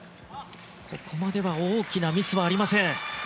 ここまでは大きなミスはありません。